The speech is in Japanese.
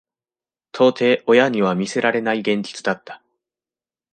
到底親には見せられない現実だった。